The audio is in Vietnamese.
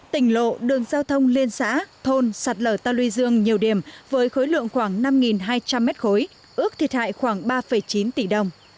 tỉnh lộ đường giao thông liên xã thôn sạt lở ta luy dương nhiều điểm với khối lượng khoảng năm hai trăm linh mét khối ước thiệt hại khoảng ba chín tỷ đồng